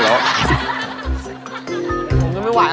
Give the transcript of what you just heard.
มันไม่ไหวแล้ว